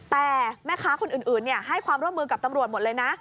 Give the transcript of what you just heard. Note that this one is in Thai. แต่แม่ค้าคนอื่นให้ความร่วมมือกับตำรวจหมดเลยนะ